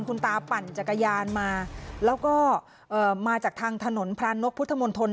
คุณตาปั่นจักรยานมาแล้วก็มาจากทางถนนพรานกพุทธมนตร